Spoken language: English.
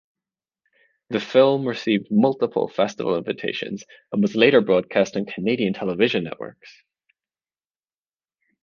The film received multiple festival invitations, and was later broadcast on Canadian television networks.